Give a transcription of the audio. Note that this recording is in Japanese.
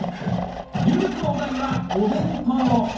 入力のお題は「お弁当」。